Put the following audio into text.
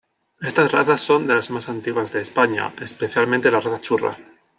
Estas razas son de las más antiguas de España, especialmente la raza churra.